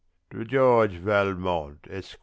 TO GEORGE VALMONT ESQ.